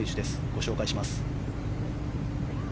ご紹介します。